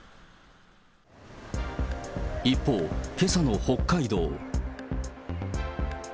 一方、けさの北海道。